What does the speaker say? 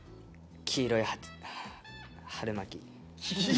黄色い春巻き？